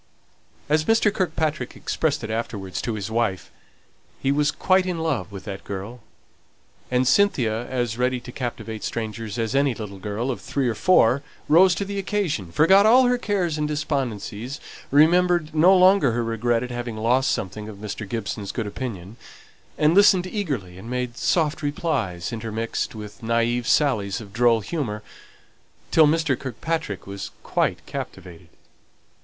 As Mr. Kirkpatrick expressed it afterwards to his wife, he was quite in love with that girl; and Cynthia, as ready to captivate strangers as any little girl of three or four, rose to the occasion, forgot all her cares and despondencies, remembered no longer her regret at having lost something of Mr. Gibson's good opinion, and listened eagerly and made soft replies, intermixed with naĽve sallies of droll humour, till Mr. Kirkpatrick was quite captivated.